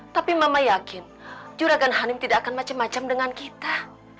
tapi mama yakin juragan hanim tidak akan macam macam dengan kita